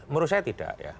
menurut saya tidak ya